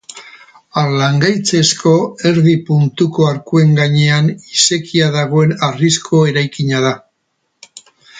Harlangaitzezko erdi-puntuko arkuen gainean esekia dagoen harrizko eraikina da.